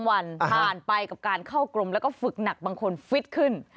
วันผ่านไปกับการเข้ากรมแล้วก็ฝึกหนักบางคนฟิตขึ้น